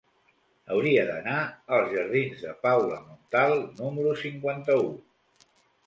Hauria d'anar als jardins de Paula Montal número cinquanta-u.